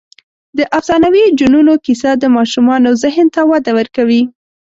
د افسانوي جنونو کیسه د ماشومانو ذهن ته وده ورکوي.